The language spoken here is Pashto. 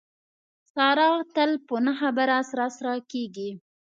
ساره تل په نه خبره سره سره کېږي.